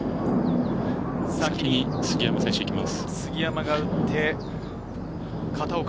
先に杉山選手が行きます。